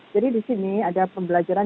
jadi di sini ada pembelajaran